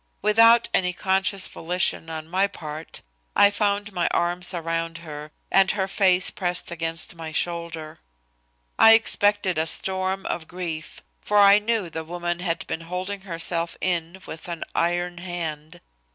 Without any conscious volition on my part I found my arms around her, and her face pressed against my shoulder. I expected a storm of grief, for I knew the woman had been holding herself in with an iron hand.